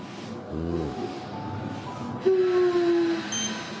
うん。